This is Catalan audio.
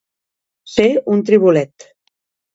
Ser un tribulet.